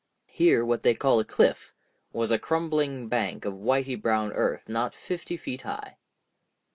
Here what they call a cliff was a crumbling bank of whitey brown earth not fifty feet high.